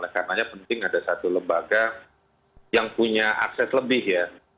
karena penting ada satu lembaga yang punya akses lebih ya